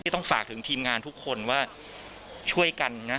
ต้องฝากถึงทีมงานทุกคนว่าช่วยกันนะ